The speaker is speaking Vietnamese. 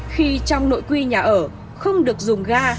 khi trong nội quy nhà ở không được dùng ga